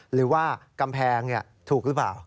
หรือว่ากำแพงถูกหรือเปล่า